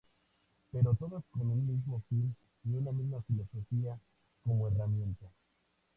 Pero todas con un mismo fin y una misma filosofía como herramienta.